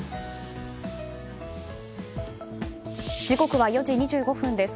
時刻は４時２５分です。